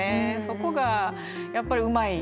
そこがやっぱりうまい。